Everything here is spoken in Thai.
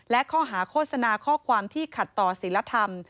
และข้อหาโฆษณาข้อความที่ขัดต่อศิลธรรม